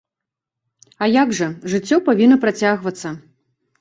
А як жа, жыццё павінна працягвацца.